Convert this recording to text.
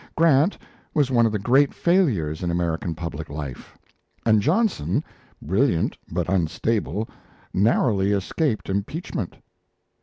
Grant was one of the great failures in American public life; and Johnson, brilliant but unstable, narrowly escaped impeachment.